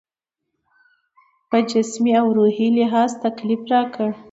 په جسمي او روحي لحاظ تکلیف راکړ.